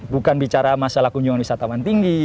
bukan bicara masalah kunjungan wisatawan tinggi